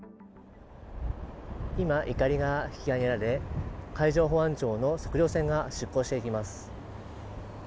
今、いかりが引き揚げられ、海上保安庁の測量船が出港していきます。